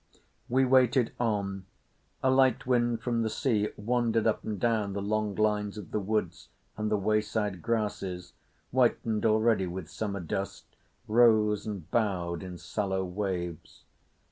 We waited on. A light wind from the sea wandered up and down the long lines of the woods, and the wayside grasses, whitened already with summer dust, rose and bowed in sallow waves.